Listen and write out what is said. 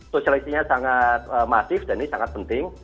sosialisasinya sangat masif dan ini sangat penting